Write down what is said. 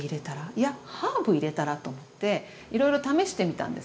いやハーブ入れたら？と思っていろいろ試してみたんですよね。